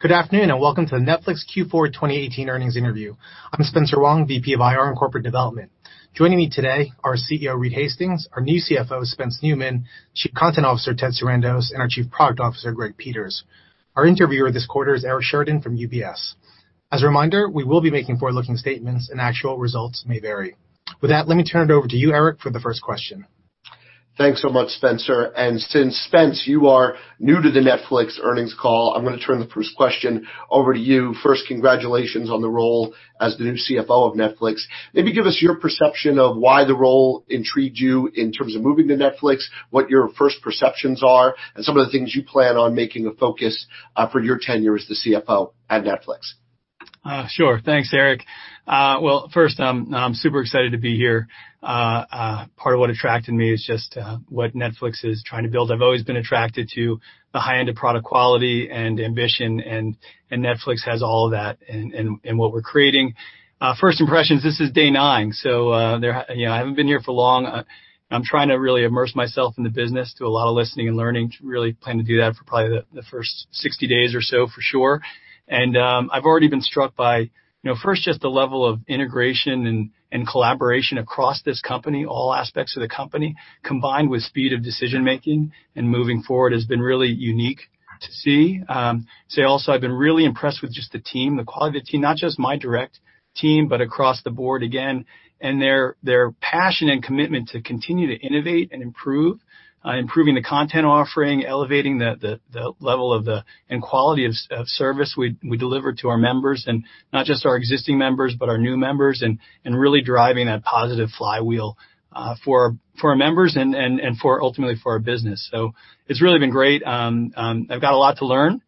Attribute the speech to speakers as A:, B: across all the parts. A: Good afternoon, welcome to the Netflix Q4 2018 earnings interview. I'm Spencer Wang, VP of IR and Corporate Development. Joining me today are CEO Reed Hastings, our new CFO, Spencer Neumann, Chief Content Officer Ted Sarandos, and our Chief Product Officer Greg Peters. Our interviewer this quarter is Eric Sheridan from UBS. As a reminder, we will be making forward-looking statements, actual results may vary. With that, let me turn it over to you, Eric, for the first question.
B: Thanks so much, Spencer. Since, Spence, you are new to the Netflix earnings call, I'm going to turn the first question over to you. First, congratulations on the role as the new CFO of Netflix. Maybe give us your perception of why the role intrigued you in terms of moving to Netflix, what your first perceptions are, and some of the things you plan on making a focus for your tenure as the CFO at Netflix.
C: Sure. Thanks, Eric. Well, first, I'm super excited to be here. Part of what attracted me is just what Netflix is trying to build. I've always been attracted to the high end of product quality and ambition, Netflix has all of that in what we're creating. First impressions, this is day nine, so I haven't been here for long. I'm trying to really immerse myself in the business, do a lot of listening and learning. Really plan to do that for probably the first 60 days or so, for sure. I've already been struck by first just the level of integration and collaboration across this company, all aspects of the company, combined with speed of decision-making and moving forward, has been really unique to see. Also, I've been really impressed with just the team, the quality of the team, not just my direct team, but across the board again. Their passion and commitment to continue to innovate and improve. Improving the content offering, elevating the level and quality of service we deliver to our members, and not just our existing members, but our new members, and really driving that positive flywheel for our members and ultimately for our business. It's really been great. I've got a lot to learn.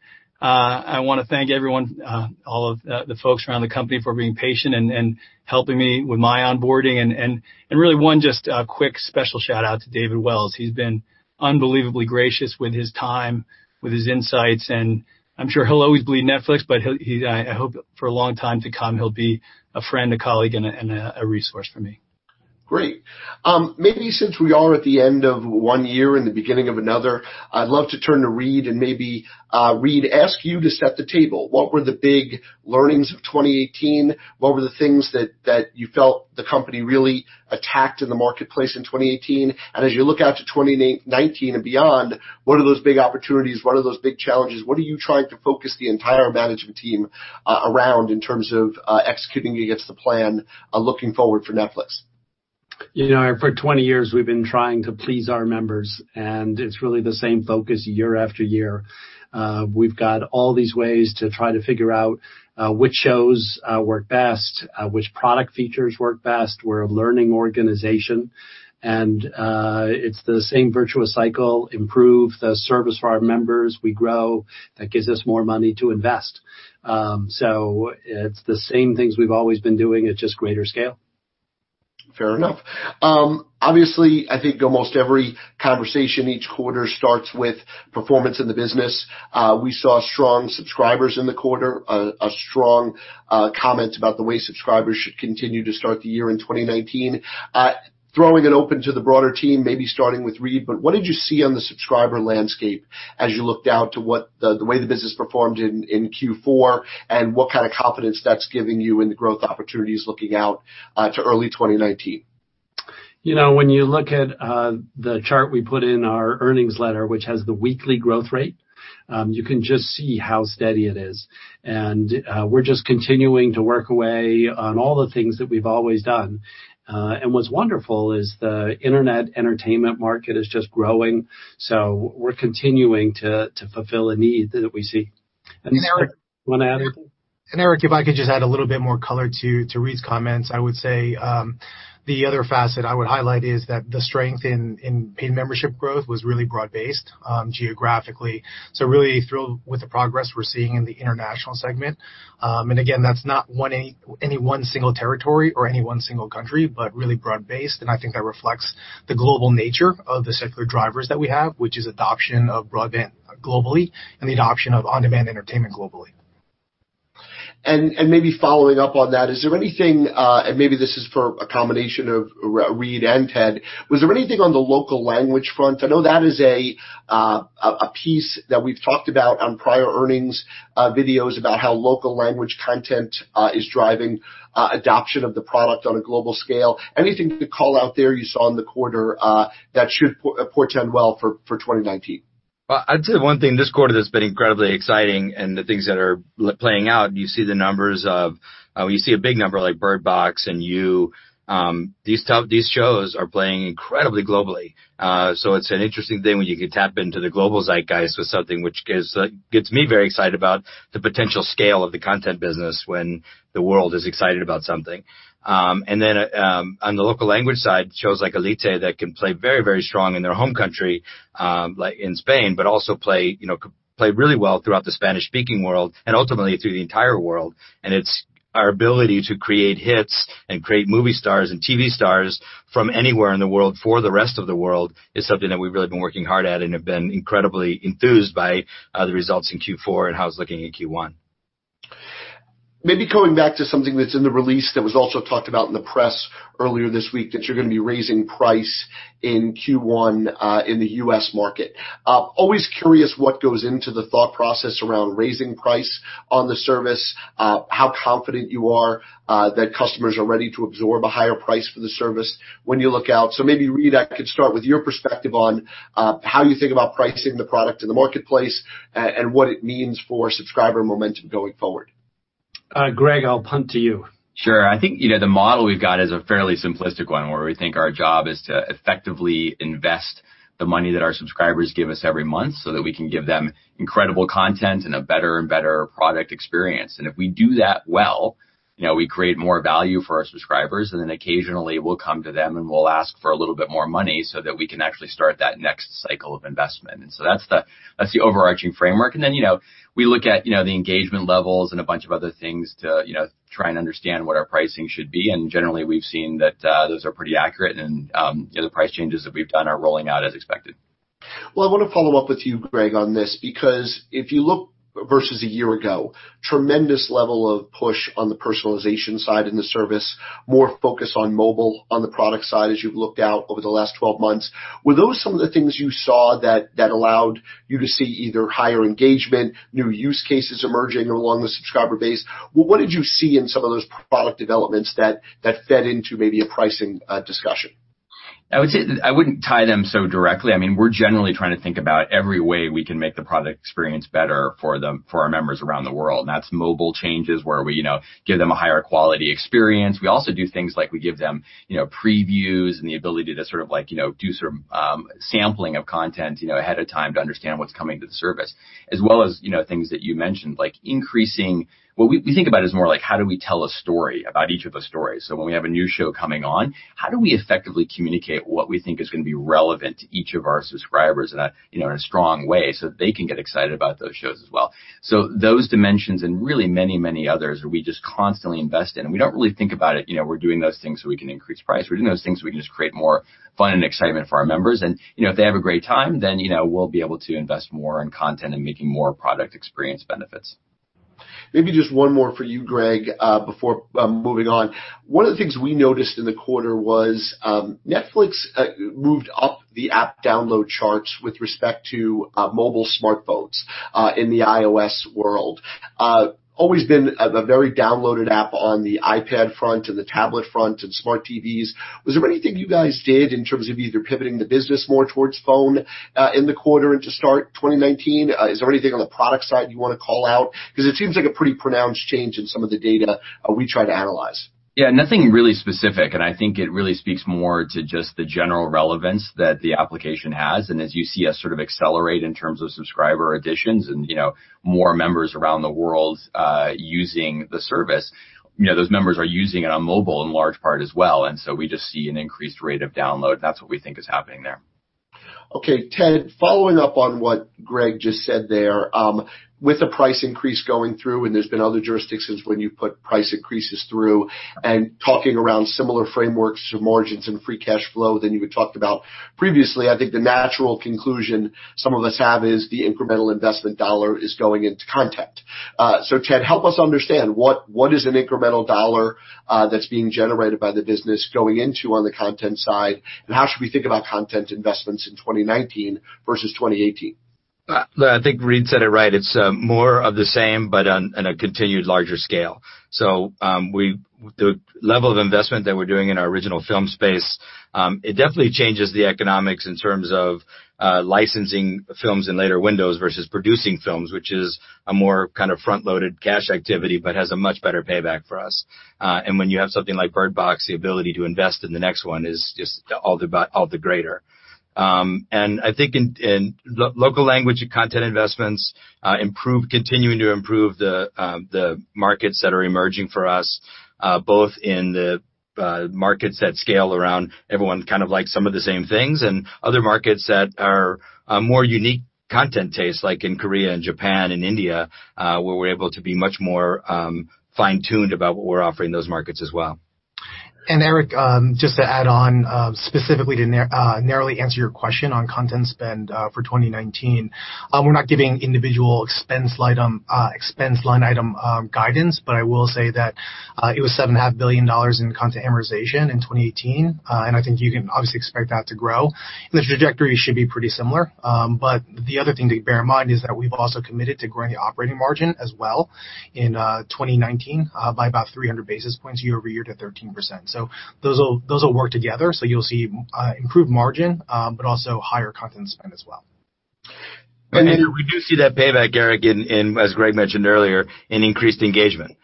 C: I want to thank everyone, all of the folks around the company for being patient and helping me with my onboarding. Really one just quick special shout-out to David Wells. He's been unbelievably gracious with his time, with his insights, and I'm sure he'll always bleed Netflix, but I hope for a long time to come he'll be a friend, a colleague, and a resource for me.
B: Great. Maybe since we are at the end of one year and the beginning of another, I'd love to turn to Reed and maybe, Reed, ask you to set the table. What were the big learnings of 2018? What were the things that you felt the company really attacked in the marketplace in 2018? As you look out to 2019 and beyond, what are those big opportunities? What are those big challenges? What are you trying to focus the entire management team around in terms of executing against the plan looking forward for Netflix?
D: For 20 years, we've been trying to please our members, it's really the same focus year after year. We've got all these ways to try to figure out which shows work best, which product features work best. We're a learning organization, it's the same virtuous cycle, improve the service for our members. We grow. That gives us more money to invest. It's the same things we've always been doing at just greater scale.
B: Fair enough. Obviously, I think almost every conversation each quarter starts with performance in the business. We saw strong subscribers in the quarter, a strong comment about the way subscribers should continue to start the year in 2019. Throwing it open to the broader team, maybe starting with Reed, what did you see on the subscriber landscape as you looked out to the way the business performed in Q4, what kind of confidence that's giving you in the growth opportunities looking out to early 2019?
D: When you look at the chart we put in our earnings letter, which has the weekly growth rate, you can just see how steady it is. We're just continuing to work away on all the things that we've always done. What's wonderful is the internet entertainment market is just growing. We're continuing to fulfill a need that we see. Spencer, do you want to add anything?
A: Eric, if I could just add a little bit more color to Reed's comments, I would say the other facet I would highlight is that the strength in paid membership growth was really broad-based geographically. Really thrilled with the progress we're seeing in the international segment. Again, that's not any one single territory or any one single country, but really broad-based, and I think that reflects the global nature of the secular drivers that we have, which is adoption of broadband globally and the adoption of on-demand entertainment globally.
B: Maybe following up on that, and maybe this is for a combination of Reed and Ted, was there anything on the local language front? I know that is a piece that we've talked about on prior earnings videos about how local language content is driving adoption of the product on a global scale. Anything to call out there you saw in the quarter that should portend well for 2019?
E: I'd say the one thing this quarter that's been incredibly exciting and the things that are playing out, when you see a big number like "Bird Box" and "You," these shows are playing incredibly globally. It's an interesting thing when you can tap into the global zeitgeist with something which gets me very excited about the potential scale of the content business when the world is excited about something. Then on the local language side, shows like "Élite" that can play very strong in their home country, like in Spain, but also play really well throughout the Spanish-speaking world and ultimately through the entire world. It's our ability to create hits and create movie stars and TV stars from anywhere in the world for the rest of the world is something that we've really been working hard at and have been incredibly enthused by the results in Q4 and how it's looking in Q1.
B: Maybe coming back to something that's in the release that was also talked about in the press earlier this week, that you're going to be raising price in Q1, in the U.S. market. Always curious what goes into the thought process around raising price on the service, how confident you are that customers are ready to absorb a higher price for the service when you look out. Maybe, Reed, I could start with your perspective on how you think about pricing the product in the marketplace, and what it means for subscriber momentum going forward.
D: Greg, I'll punt to you.
F: Sure. I think the model we've got is a fairly simplistic one, where we think our job is to effectively invest the money that our subscribers give us every month so that we can give them incredible content and a better and better product experience. If we do that well, we create more value for our subscribers, and then occasionally we'll come to them, and we'll ask for a little bit more money so that we can actually start that next cycle of investment. That's the overarching framework. Then, we look at the engagement levels and a bunch of other things to try and understand what our pricing should be. Generally, we've seen that those are pretty accurate and the price changes that we've done are rolling out as expected.
B: Well, I want to follow up with you, Greg, on this, because if you look versus a year ago, tremendous level of push on the personalization side in the service, more focus on mobile on the product side as you've looked out over the last 12 months. Were those some of the things you saw that allowed you to see either higher engagement, new use cases emerging along the subscriber base? What did you see in some of those product developments that fed into maybe a pricing discussion?
F: I would say I wouldn't tie them so directly. We're generally trying to think about every way we can make the product experience better for our members around the world, that's mobile changes where we give them a higher quality experience. We also do things like we give them previews and the ability to do some sampling of content ahead of time to understand what's coming to the service, as well as things that you mentioned, like we think about it as more like how do we tell a story about each of the stories. When we have a new show coming on, how do we effectively communicate what we think is going to be relevant to each of our subscribers in a strong way so that they can get excited about those shows as well. Those dimensions and really many others that we just constantly invest in, we don't really think about it. We're doing those things so we can increase price. We're doing those things so we can just create more fun and excitement for our members. If they have a great time, then we'll be able to invest more in content and making more product experience benefits.
B: Maybe just one more for you, Greg, before moving on. One of the things we noticed in the quarter was Netflix moved up the app download charts with respect to mobile smartphones in the iOS world. Always been a very downloaded app on the iPad front and the tablet front and smart TVs. Was there anything you guys did in terms of either pivoting the business more towards phone in the quarter into start 2019? Is there anything on the product side you want to call out? It seems like a pretty pronounced change in some of the data we try to analyze.
F: Yeah, nothing really specific. I think it really speaks more to just the general relevance that the application has. As you see us sort of accelerate in terms of subscriber additions and more members around the world using the service, those members are using it on mobile in large part as well. We just see an increased rate of download. That's what we think is happening there.
B: Okay, Ted, following up on what Greg just said there. With the price increase going through, there's been other jurisdictions when you put price increases through, talking around similar frameworks for margins and free cash flow than you had talked about previously. I think the natural conclusion some of us have is the incremental investment dollar is going into content. Ted, help us understand what is an incremental dollar that's being generated by the business going into on the content side. How should we think about content investments in 2019 versus 2018?
E: I think Reed said it right. It's more of the same, but on a continued larger scale. The level of investment that we're doing in our original film space, it definitely changes the economics in terms of licensing films in later windows versus producing films, which is a more kind of front-loaded cash activity but has a much better payback for us. When you have something like "Bird Box," the ability to invest in the next one is just all the greater. I think in local language and content investments, continuing to improve the markets that are emerging for us, both in the markets that scale around everyone kind of like some of the same things and other markets that are more unique content tastes like in Korea and Japan and India, where we're able to be much more fine-tuned about what we're offering those markets as well.
A: Eric, just to add on specifically to narrowly answer your question on content spend for 2019. We're not giving individual expense line item guidance, but I will say that it was $7.5 billion in content amortization in 2018. I think you can obviously expect that to grow, and the trajectory should be pretty similar. The other thing to bear in mind is that we've also committed to growing the operating margin as well in 2019 by about 300 basis points year-over-year to 13%. Those will work together. You'll see improved margin, but also higher content spend as well.
C: You see that payback, Eric, as Greg mentioned earlier, in increased engagement,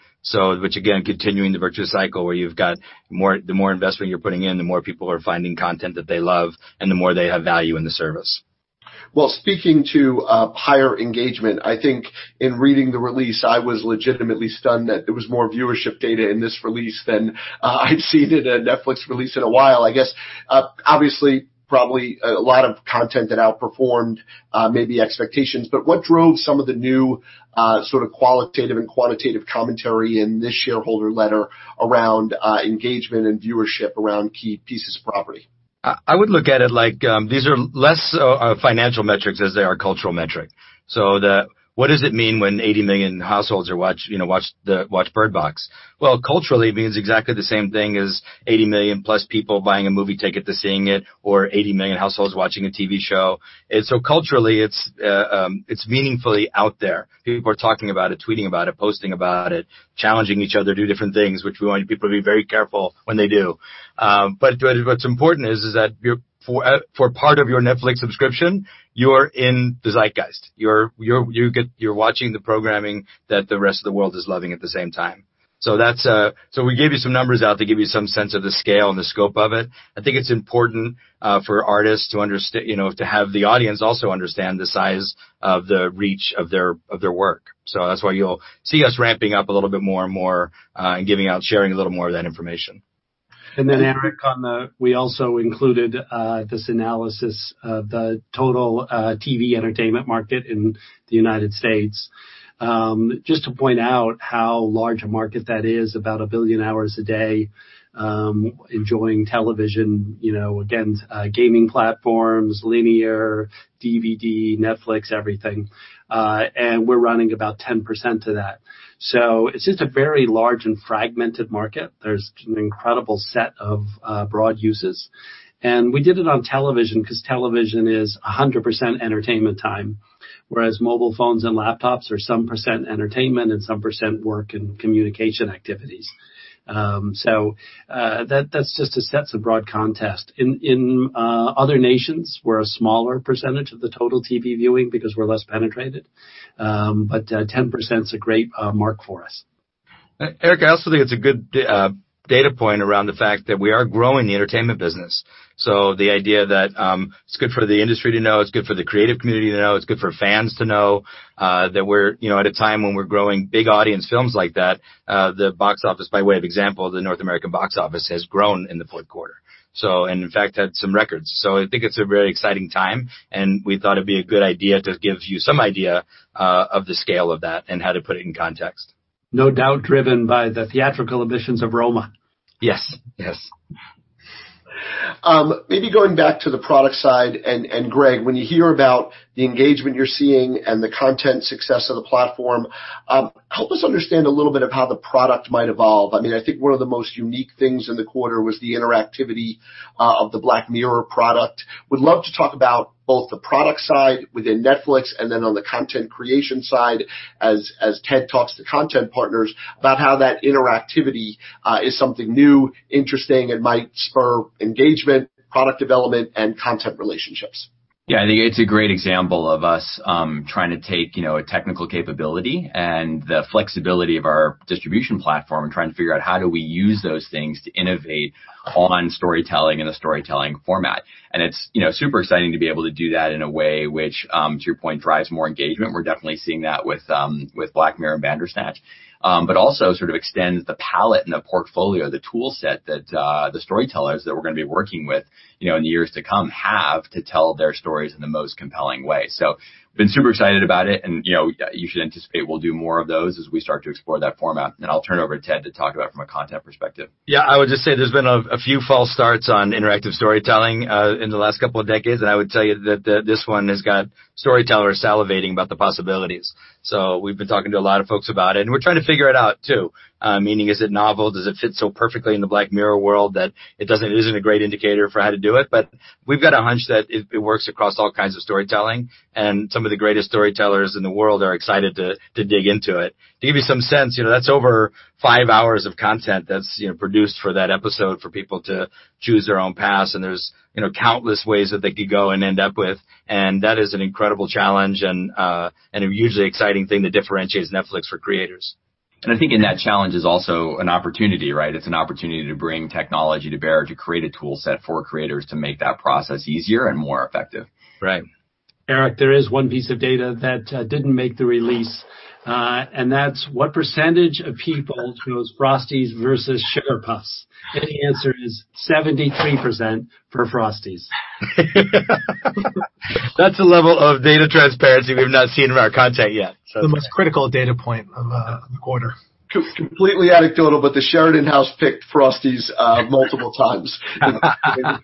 C: which again, continuing the virtuous cycle where you've got the more investment you're putting in, the more people are finding content that they love and the more they have value in the service.
B: Well, speaking to higher engagement, I think in reading the release, I was legitimately stunned that there was more viewership data in this release than I'd seen in a Netflix release in a while. I guess, obviously, probably a lot of content that outperformed maybe expectations. What drove some of the new sort of qualitative and quantitative commentary in this shareholder letter around engagement and viewership around key pieces of property?
E: I would look at it like these are less financial metrics as they are cultural metric. What does it mean when 80 million households watch "Bird Box"? Well, culturally, it means exactly the same thing as 80 million+ people buying a movie ticket to seeing it, or 80 million households watching a TV show. Culturally, it's meaningfully out there. People are talking about it, tweeting about it, posting about it, challenging each other to do different things, which we want people to be very careful when they do. What's important is that for part of your Netflix subscription, you're in the zeitgeist. You're watching the programming that the rest of the world is loving at the same time. We gave you some numbers out to give you some sense of the scale and the scope of it. I think it's important for artists to have the audience also understand the size of the reach of their work. That's why you'll see us ramping up a little bit more and more, and giving out, sharing a little more of that information.
D: Eric, we also included this analysis of the total TV entertainment market in the U.S. Just to point out how large a market that is, about a billion hours a day, enjoying television, again gaming platforms, linear, DVD, Netflix, everything. We're running about 10% of that. It's just a very large and fragmented market. There's an incredible set of broad uses. We did it on television because television is 100% entertainment time, whereas mobile phones and laptops are some percent entertainment and some percent work and communication activities. That's just to set some broad context. In other nations, we're a smaller percentage of the total TV viewing because we're less penetrated. 10% is a great mark for us.
E: Eric, I also think it's a good data point around the fact that we are growing the entertainment business. The idea that it's good for the industry to know, it's good for the creative community to know, it's good for fans to know that we're at a time when we're growing big audience films like that. The box office, by way of example, the North American box office has grown in the fourth quarter, in fact, had some records. I think it's a very exciting time, we thought it'd be a good idea to give you some idea of the scale of that and how to put it in context.
D: No doubt driven by the theatrical release of "Roma".
E: Yes.
D: Yes.
B: Maybe going back to the product side, Greg, when you hear about the engagement you're seeing and the content success of the platform, help us understand a little bit of how the product might evolve. I think one of the most unique things in the quarter was the interactivity of the Black Mirror product. We'd love to talk about both the product side within Netflix and then on the content creation side as Ted talks to content partners about how that interactivity is something new, interesting, and might spur engagement, product development, and content relationships.
F: Yeah, I think it's a great example of us trying to take a technical capability and the flexibility of our distribution platform and trying to figure out how do we use those things to innovate on storytelling and the storytelling format. It's super exciting to be able to do that in a way which, to your point, drives more engagement. We're definitely seeing that with Black Mirror and Bandersnatch, but also sort of extends the palette and the portfolio, the toolset that the storytellers that we're going to be working with in the years to come have to tell their stories in the most compelling way. Been super excited about it, and you should anticipate we'll do more of those as we start to explore that format. I'll turn it over to Ted to talk about from a content perspective.
E: Yeah, I would just say there's been a few false starts on interactive storytelling in the last couple of decades, and I would tell you that this one has got storytellers salivating about the possibilities. We've been talking to a lot of folks about it, and we're trying to figure it out too. Meaning, is it novel? Does it fit so perfectly in the Black Mirror world that it isn't a great indicator for how to do it? We've got a hunch that it works across all kinds of storytelling, and some of the greatest storytellers in the world are excited to dig into it. To give you some sense, that's over five hours of content that's produced for that episode for people to choose their own paths, and there's countless ways that they could go and end up with. That is an incredible challenge and a hugely exciting thing that differentiates Netflix for creators.
F: I think in that challenge is also an opportunity, right? It's an opportunity to bring technology to bear, to create a toolset for creators to make that process easier and more effective.
E: Right.
D: Eric, there is one piece of data that didn't make the release, that's what percentage of people choose Frosties versus Sugar Puffs. The answer is 73% for Frosties.
E: That's a level of data transparency we've not seen in our content yet.
D: The most critical data point of the quarter.
B: Completely anecdotal, the Sheridan House picked Frosties multiple times in the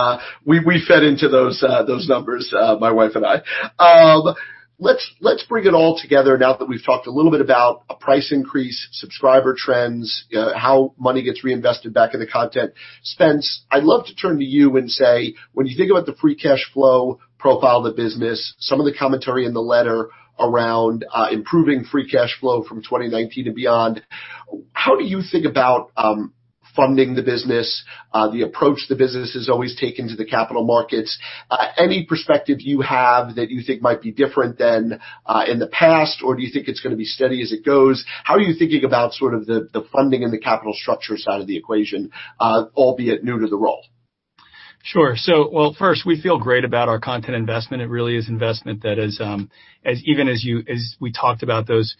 B: content. We fed into those numbers, my wife and I. Let's bring it all together now that we've talked a little bit about a price increase, subscriber trends, how money gets reinvested back in the content. Spencer, I'd love to turn to you and say, when you think about the free cash flow profile of the business, some of the commentary in the letter around improving free cash flow from 2019 to beyond, how do you think about funding the business, the approach the business has always taken to the capital markets? Any perspective you have that you think might be different than in the past, or do you think it's going to be steady as it goes? How are you thinking about the funding and the capital structure side of the equation, albeit new to the role?
C: Sure. Well, first, we feel great about our content investment. It really is investment that even as we talked about those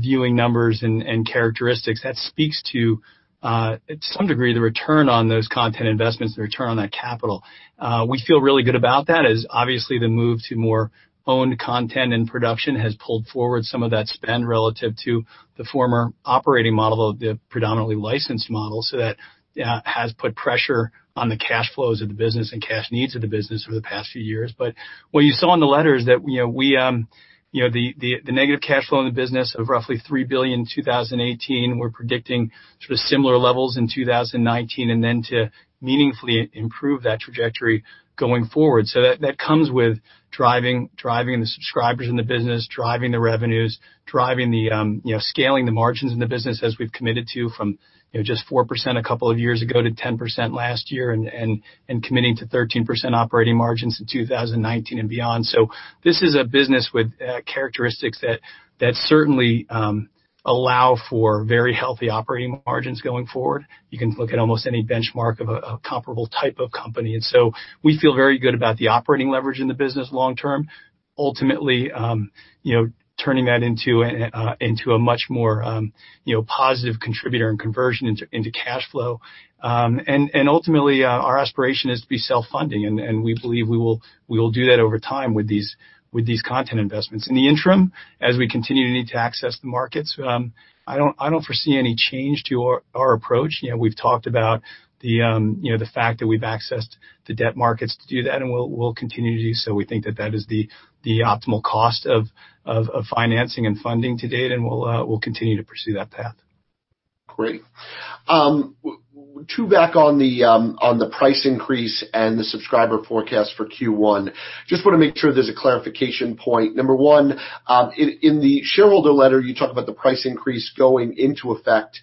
C: viewing numbers and characteristics, that speaks to at some degree, the return on those content investments, the return on that capital. We feel really good about that, as obviously the move to more owned content and production has pulled forward some of that spend relative to the former operating model, the predominantly licensed model. That has put pressure on the cash flows of the business and cash needs of the business over the past few years. What you saw in the letter is that the negative cash flow in the business of roughly $3 billion in 2018, we're predicting sort of similar levels in 2019, and then to meaningfully improve that trajectory going forward. That comes with driving the subscribers in the business, driving the revenues, scaling the margins in the business as we've committed to from just 4% a couple of years ago to 10% last year and committing to 13% operating margins in 2019 and beyond. This is a business with characteristics that certainly allow for very healthy operating margins going forward. You can look at almost any benchmark of a comparable type of company. We feel very good about the operating leverage in the business long term. Ultimately turning that into a much more positive contributor and conversion into cash flow. Ultimately, our aspiration is to be self-funding, and we believe we will do that over time with these content investments. In the interim, as we continue to need to access the markets, I don't foresee any change to our approach. We've talked about the fact that we've accessed the debt markets to do that, we'll continue to do so. We think that that is the optimal cost of financing and funding to date, we'll continue to pursue that path.
B: Great. To back on the price increase and the subscriber forecast for Q1, just want to make sure there's a clarification point. Number one, in the shareholder letter, you talk about the price increase going into effect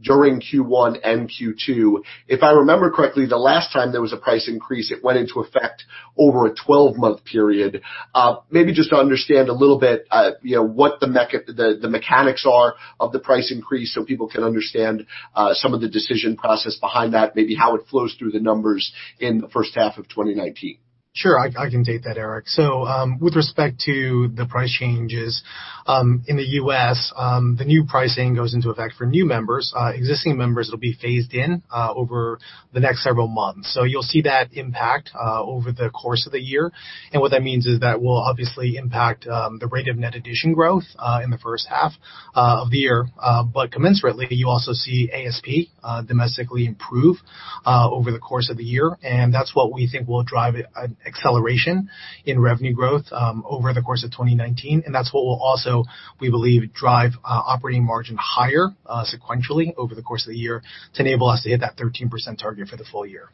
B: during Q1 and Q2. If I remember correctly, the last time there was a price increase, it went into effect over a 12-month period. Maybe just to understand a little bit what the mechanics are of the price increase so people can understand some of the decision process behind that, maybe how it flows through the numbers in the first half of 2019.
A: Sure. I can take that, Eric. With respect to the price changes, in the U.S. the new pricing goes into effect for new members. Existing members will be phased in over the next several months. You'll see that impact over the course of the year. What that means is that will obviously impact the rate of net addition growth in the first half of the year. Commensurately, you also see ASP domestically improve over the course of the year, that's what we think will drive acceleration in revenue growth over the course of 2019. That's what will also, we believe, drive operating margin higher sequentially over the course of the year to enable us to hit that 13% target for the full year.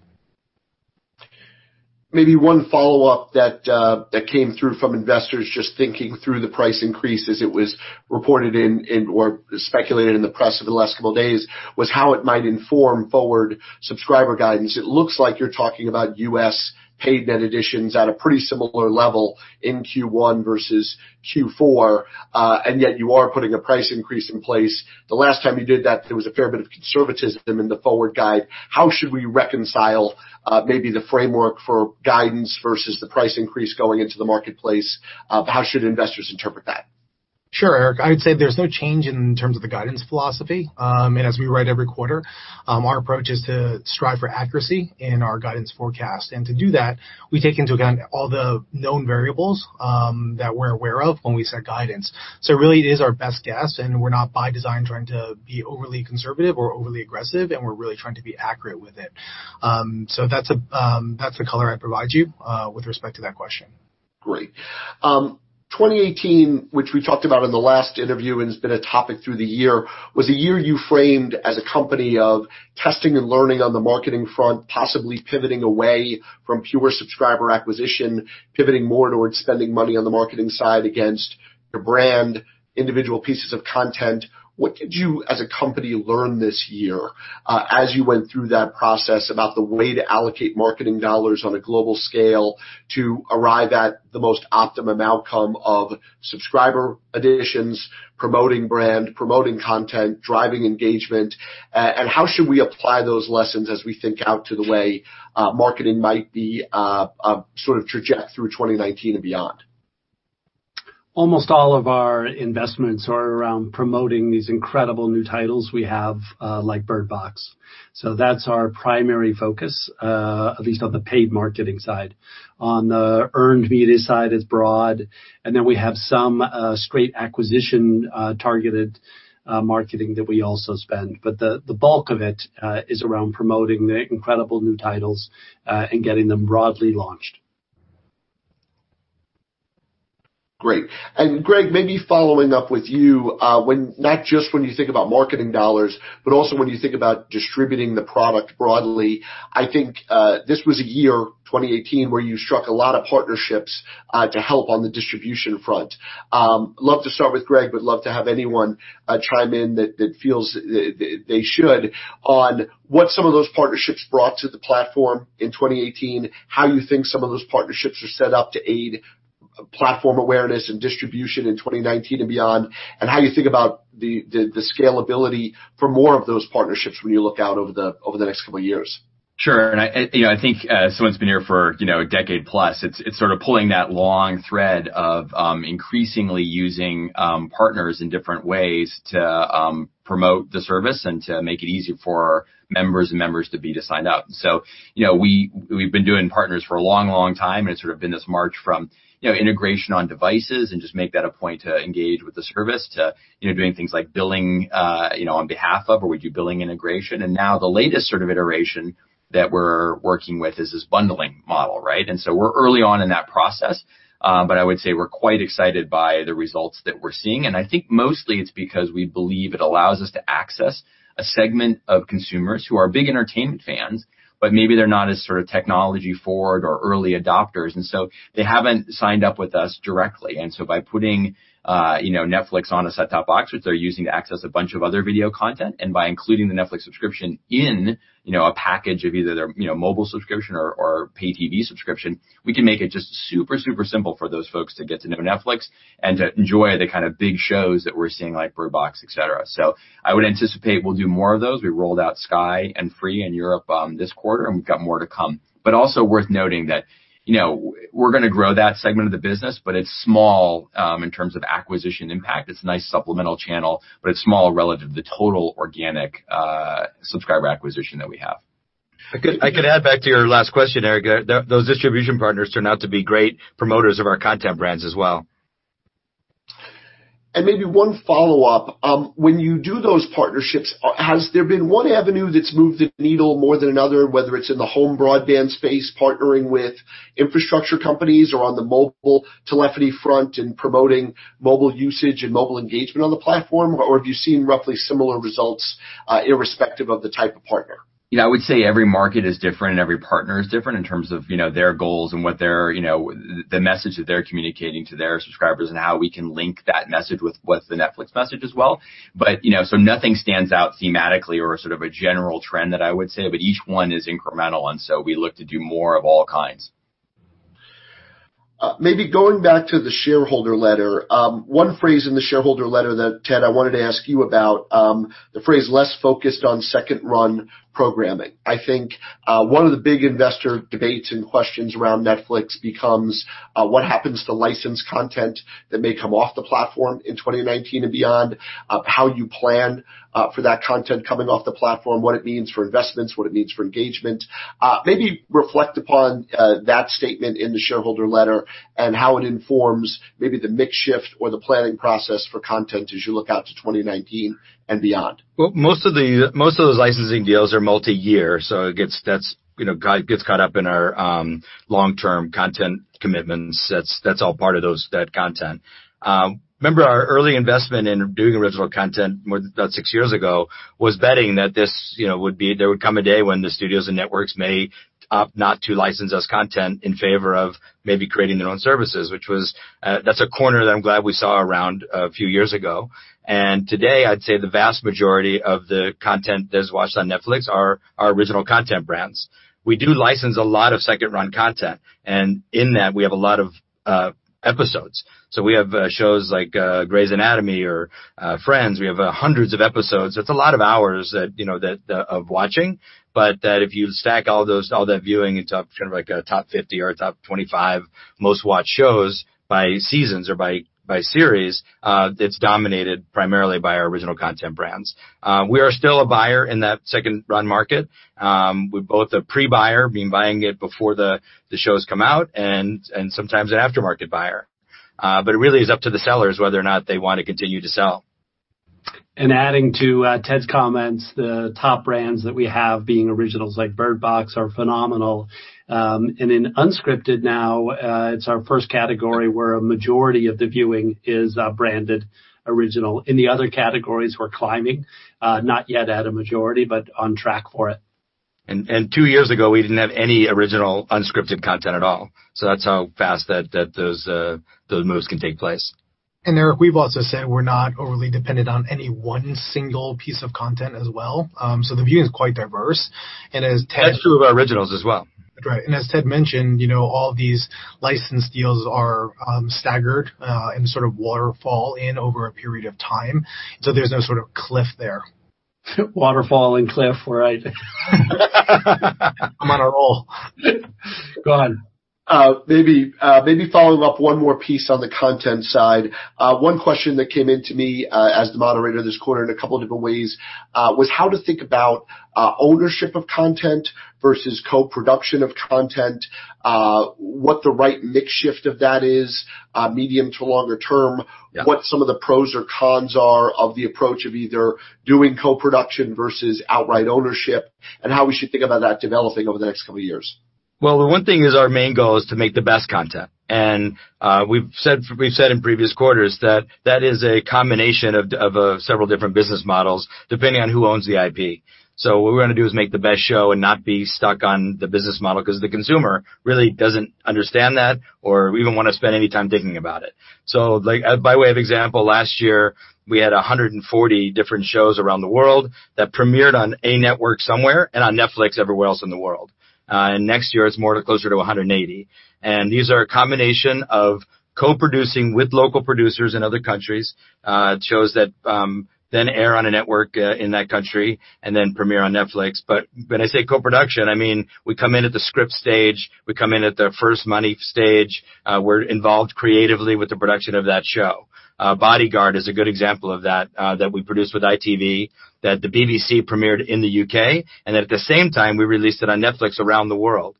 B: Maybe one follow-up that came through from investors just thinking through the price increase as it was reported in or speculated in the press over the last couple of days, was how it might inform forward subscriber guidance. It looks like you're talking about U.S. paid net additions at a pretty similar level in Q1 versus Q4, yet you are putting a price increase in place. The last time you did that, there was a fair bit of conservatism in the forward guide. How should we reconcile maybe the framework for guidance versus the price increase going into the marketplace? How should investors interpret that?
A: Sure, Eric. I would say there's no change in terms of the guidance philosophy. As we write every quarter, our approach is to strive for accuracy in our guidance forecast. To do that, we take into account all the known variables that we're aware of when we set guidance. Really, it is our best guess, and we're not by design trying to be overly conservative or overly aggressive, and we're really trying to be accurate with it. That's the color I provide you with respect to that question.
B: Great. 2018, which we talked about in the last interview and has been a topic through the year, was a year you framed as a company of testing and learning on the marketing front, possibly pivoting away from pure subscriber acquisition, pivoting more towards spending money on the marketing side against your brand, individual pieces of content. What did you, as a company, learn this year as you went through that process about the way to allocate marketing dollars on a global scale to arrive at the most optimum outcome of subscriber additions, promoting brand, promoting content, driving engagement? How should we apply those lessons as we think out to the way marketing might sort of traject through 2019 and beyond?
E: Almost all of our investments are around promoting these incredible new titles we have, like "Bird Box." That's our primary focus, at least on the paid marketing side. On the earned media side is broad, and then we have some straight acquisition targeted marketing that we also spend. The bulk of it is around promoting the incredible new titles and getting them broadly launched.
B: Great. Greg, maybe following up with you, not just when you think about marketing dollars, but also when you think about distributing the product broadly. I think this was a year, 2018, where you struck a lot of partnerships to help on the distribution front. Love to start with Greg, would love to have anyone chime in that feels they should on what some of those partnerships brought to the platform in 2018, how you think some of those partnerships are set up to aid platform awareness and distribution in 2019 and beyond, and how you think about the scalability for more of those partnerships when you look out over the next couple of years.
F: Sure. I think as someone who's been here for a decade-plus, it's sort of pulling that long thread of increasingly using partners in different ways to promote the service and to make it easier for members and members-to-be to sign up. We've been doing partners for a long, long time, and it's sort of been this march from integration on devices and just make that a point to engage with the service to doing things like billing on behalf of, or we do billing integration. Now the latest sort of iteration that we're working with is this bundling model, right? We're early on in that process. I would say we're quite excited by the results that we're seeing, and I think mostly it's because we believe it allows us to access a segment of consumers who are big entertainment fans, but maybe they're not as sort of technology-forward or early adopters. They haven't signed up with us directly. By putting Netflix on a set-top box, which they're using to access a bunch of other video content, and by including the Netflix subscription in a package of either their mobile subscription or pay TV subscription, we can make it just super simple for those folks to get to know Netflix and to enjoy the kind of big shows that we're seeing, like Bird Box, et cetera. I would anticipate we'll do more of those. We rolled out Sky and Free in Europe this quarter, and we've got more to come. Also worth noting that we're going to grow that segment of the business, but it's small, in terms of acquisition impact. It's a nice supplemental channel, but it's small relative to the total organic subscriber acquisition that we have.
E: I could add back to your last question, Eric, those distribution partners turn out to be great promoters of our content brands as well.
B: Maybe one follow-up. When you do those partnerships, has there been one avenue that's moved the needle more than another, whether it's in the home broadband space, partnering with infrastructure companies, or on the mobile telephony front and promoting mobile usage and mobile engagement on the platform, or have you seen roughly similar results, irrespective of the type of partner?
F: Yeah. I would say every market is different and every partner is different in terms of their goals and the message that they're communicating to their subscribers and how we can link that message with what's the Netflix message as well. Nothing stands out thematically or sort of a general trend that I would say, but each one is incremental, and so we look to do more of all kinds.
B: Maybe going back to the shareholder letter. One phrase in the shareholder letter that, Ted, I wanted to ask you about, the phrase "less focused on second run programming." I think one of the big investor debates and questions around Netflix becomes what happens to licensed content that may come off the platform in 2019 and beyond, how you plan for that content coming off the platform, what it means for investments, what it means for engagement. Maybe reflect upon that statement in the shareholder letter and how it informs maybe the mix shift or the planning process for content as you look out to 2019 and beyond.
E: Well, most of those licensing deals are multi-year, so that gets caught up in our long-term content commitments. That's all part of that content. Remember our early investment in doing original content about six years ago was betting that there would come a day when the studios and networks may opt not to license us content in favor of maybe creating their own services. Which that's a corner that I'm glad we saw around a few years ago. Today, I'd say the vast majority of the content that is watched on Netflix are our original content brands. We do license a lot of second run content, and in that, we have a lot of episodes. We have shows like Grey's Anatomy or Friends. We have hundreds of episodes. It's a lot of hours of watching. If you stack all that viewing, it's up kind of like a top 50 or a top 25 most watched shows by seasons or by series. It's dominated primarily by our original content brands. We are still a buyer in that second run market. We're both a pre-buyer, being buying it before the shows come out, and sometimes an aftermarket buyer. It really is up to the sellers whether or not they want to continue to sell.
D: Adding to Ted's comments, the top brands that we have being originals like Bird Box are phenomenal. In unscripted now, it's our first category where a majority of the viewing is branded original. In the other categories, we're climbing, not yet at a majority, but on track for it.
E: Two years ago, we didn't have any original unscripted content at all. That's how fast those moves can take place.
A: Eric, we've also said we're not overly dependent on any one single piece of content as well. The viewing is quite diverse.
E: That's true of our originals as well.
A: Right. As Ted mentioned, all of these licensed deals are staggered and sort of waterfall in over a period of time. There's no sort of cliff there.
D: Waterfall and cliff, right.
A: I'm on a roll.
D: Go on.
B: Maybe following up one more piece on the content side. One question that came in to me as the moderator this quarter in a couple different ways, was how to think about ownership of content versus co-production of content. What the right mix shift of that is, medium to longer term.
E: Yeah.
B: What some of the pros or cons are of the approach of either doing co-production versus outright ownership, and how we should think about that developing over the next couple of years.
E: Well, the one thing is our main goal is to make the best content. We've said in previous quarters that that is a combination of several different business models, depending on who owns the IP. What we're going to do is make the best show and not be stuck on the business model because the consumer really doesn't understand that or even want to spend any time thinking about it. By way of example, last year we had 140 different shows around the world that premiered on a network somewhere and on Netflix everywhere else in the world. Next year, it's more closer to 180. These are a combination of co-producing with local producers in other countries, shows that then air on a network in that country, and then premiere on Netflix. When I say co-production, I mean we come in at the script stage, we come in at the first money stage, we're involved creatively with the production of that show. Bodyguard is a good example of that we produced with ITV, that the BBC premiered in the U.K., at the same time, we released it on Netflix around the world.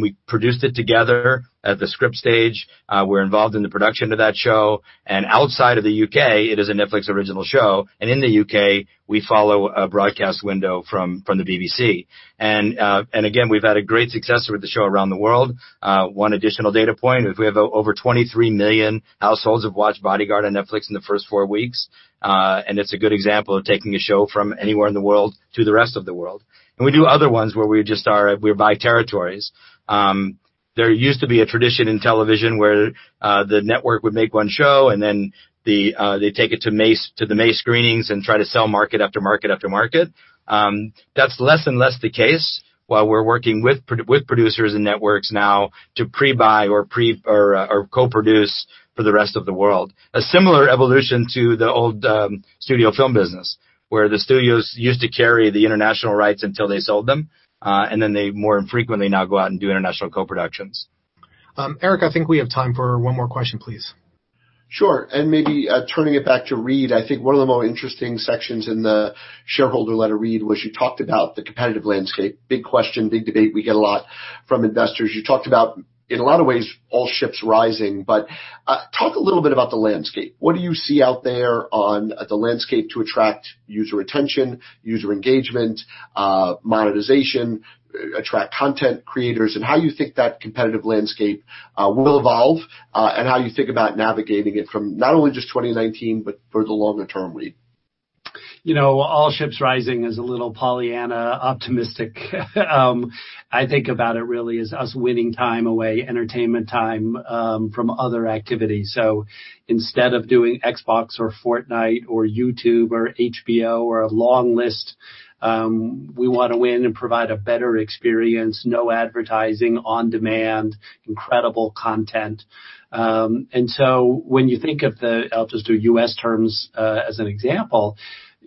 E: We produced it together at the script stage, we're involved in the production of that show. Outside of the U.K., it is a Netflix original show, and in the U.K., we follow a broadcast window from the BBC. Again, we've had a great success with the show around the world. One additional data point is we have over 23 million households have watched Bodyguard on Netflix in the first four weeks. It's a good example of taking a show from anywhere in the world to the rest of the world. We do other ones where we just buy territories. There used to be a tradition in television where the network would make one show and then they take it to the May Screenings and try to sell market after market after market. That's less and less the case while we're working with producers and networks now to pre-buy or co-produce for the rest of the world. A similar evolution to the old studio film business, where the studios used to carry the international rights until they sold them. Then they more infrequently now go out and do international co-productions.
A: Eric, I think we have time for one more question, please.
B: Sure. Maybe turning it back to Reed, I think one of the more interesting sections in the shareholder letter, Reed, was you talked about the competitive landscape. Big question, big debate we get a lot from investors. You talked about, in a lot of ways, all ships rising, but talk a little bit about the landscape. What do you see out there on the landscape to attract user attention, user engagement, monetization, attract content creators, and how you think that competitive landscape will evolve, and how you think about navigating it from not only just 2019, but for the longer term, Reed.
D: All ships rising is a little Pollyanna optimistic. I think about it really as us winning time away, entertainment time, from other activities. Instead of doing Xbox or Fortnite or YouTube or HBO or a long list, we want to win and provide a better experience, no advertising, on-demand, incredible content. When you think of the, I'll just do U.S. terms as an example,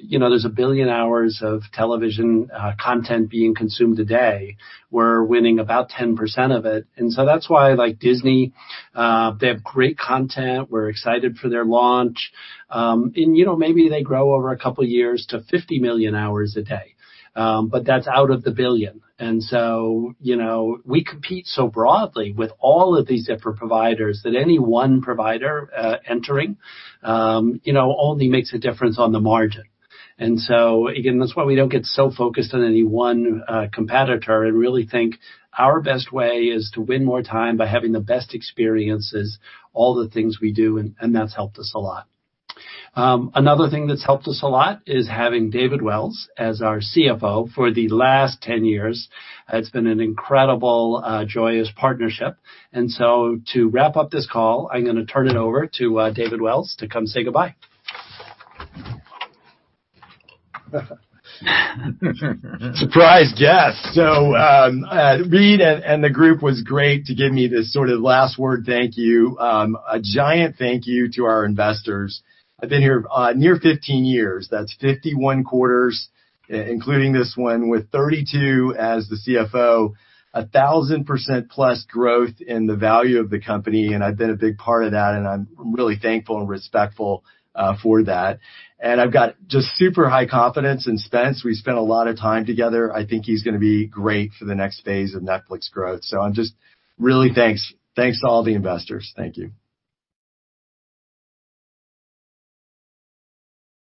D: there's 1 billion hours of television content being consumed a day. We're winning about 10% of it. That's why Disney, they have great content. We're excited for their launch. Maybe they grow over a couple of years to 50 million hours a day. That's out of the 1 billion. We compete so broadly with all of these different providers that any one provider entering only makes a difference on the margin. Again, that's why we don't get so focused on any one competitor and really think our best way is to win more time by having the best experiences, all the things we do, and that's helped us a lot. Another thing that's helped us a lot is having David Wells as our CFO for the last 10 years. It's been an incredible, joyous partnership. To wrap up this call, I'm going to turn it over to David Wells to come say goodbye.
G: Surprise guest. Reed and the group was great to give me this sort of last word thank you. A giant thank you to our investors. I've been here near 15 years. That's 51 quarters, including this one with 32 as the CFO, 1,000%-plus growth in the value of the company, and I've been a big part of that, and I'm really thankful and respectful for that. I've got just super high confidence in Spencer. We spent a lot of time together. I think he's going to be great for the next phase of Netflix growth. I'm just really thanks. Thanks to all the investors. Thank you.